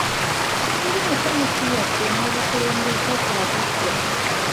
Siri musanyufu yadde n'obukulembeze obuggya.